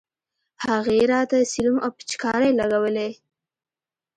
هغې راته سيروم او پيچکارۍ لګولې.